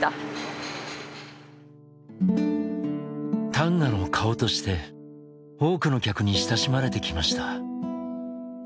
旦過の顔として多くの客に親しまれてきました。